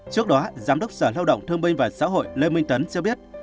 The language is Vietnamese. trước đó giám đốc sở lao động thương binh và xã hội lê minh tấn cho biết